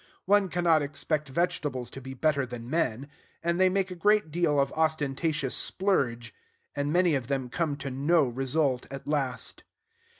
One cannot expect vegetables to be better than men: and they make a great deal of ostentatious splurge; and many of them come to no result at last.